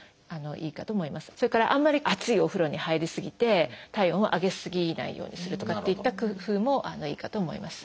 それからあんまり熱いお風呂に入り過ぎて体温を上げ過ぎないようにするとかといった工夫もいいかと思います。